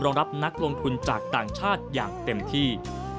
รับนักลงทุนจากต่างชาติอย่างเต็มที่